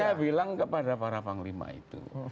jadi saya bilang kepada para panglima itu